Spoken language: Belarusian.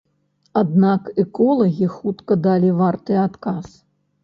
Аднак эколагі хутка далі варты адказ.